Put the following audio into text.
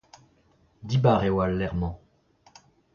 Dibar eo al lec'h-mañ.